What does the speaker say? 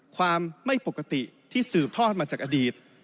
ความไม่ปกติที่สืบทอดมาจากอดีต